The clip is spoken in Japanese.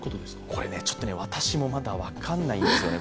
これね、ちょっと私もまだ分かんないんですよね。